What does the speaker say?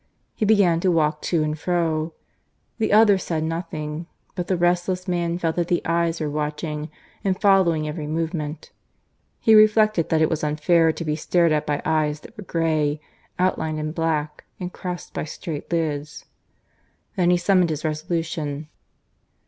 He began to walk to and fro. The other said nothing, but the restless man felt that the eyes were watching and following every movement. He reflected that it was unfair to be stared at by eyes that were grey, outlined in black, and crossed by straight lids. Then he summoned his resolution.